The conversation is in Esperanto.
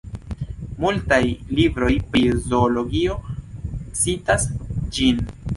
Multaj libroj pri zoologio citas ĝin.